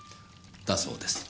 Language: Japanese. だそうです。